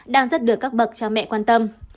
đang rất được các bậc cho mẹ quan tâm